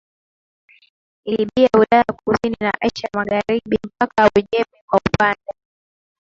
Libia Ulaya Kusini na Asia Magharibi mpaka Uajemi Kwa upande